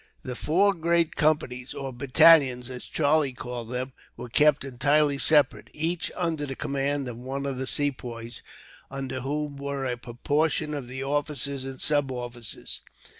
The four great companies, or battalions, as Charlie called them, were kept entirely separate, each under the command of one of the Sepoys, under whom were a proportion of the officers and sub officers.